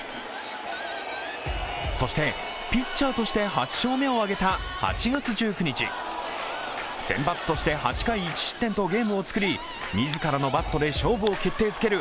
そしてピッチャーとして８勝目を挙げた８月１９日先発として８回１失点とゲームをつくり、自らのバットで勝負を決定づける